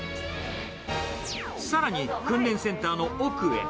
さらに、訓練センターの奥へ。